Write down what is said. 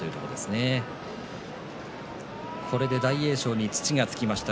大栄翔に土がつきました。